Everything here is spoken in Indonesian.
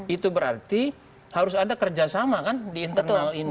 itu berarti harus ada kerjasama kan di internal ini